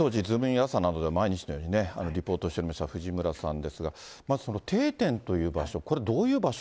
朝！などで毎日のようにリポートしている藤村さんですが、まず、その定点という場所、これ、どういう場所？